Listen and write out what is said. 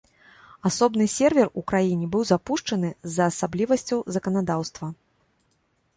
Асобны сервер у краіне быў запушчаны з-за асаблівасцяў заканадаўства.